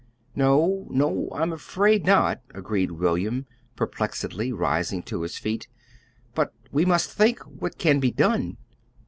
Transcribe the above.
"No, no, I'm afraid not," agreed William, perplexedly, rising to his feet. "But we must think what can be done."